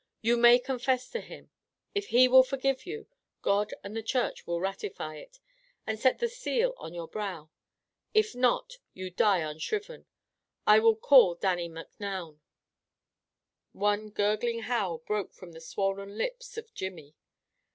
You may confess to him. If he will forgive you, God and the Church will ratify it, and set the seal on your brow. If not, you die unshriven! I will call Dannie Macnoun." One gurgling howl broke from the swollen lips of Jimmy.